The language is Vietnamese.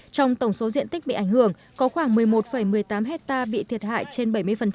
trong tổng số diện tích bị ảnh hưởng có khoảng một mươi một một mươi tám hectare bị thiệt hại trên bảy mươi